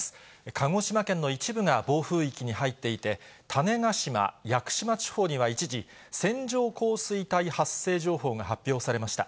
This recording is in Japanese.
鹿児島県の一部が暴風域に入っていて、種子島・屋久島地方には一時、線状降水帯発生情報が発表されました。